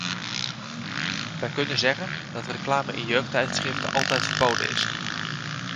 Wij kunnen zeggen dat reclame in jeugdtijdschriften altijd verboden is.